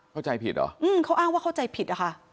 เข้าใจผิดเหรอเขาอ้างว่าเข้าใจผิดอะค่ะ